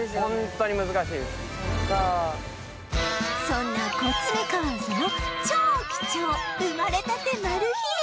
そんなコツメカワウソの超貴重生まれたてマル秘映像